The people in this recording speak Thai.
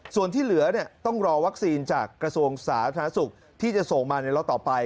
ส่วนที่เหลือต้องรอวัคซีนจากกระทรวงสาธารณสุขที่จะส่งมาในรอบต่อไป